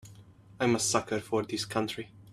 I'm a sucker for this country.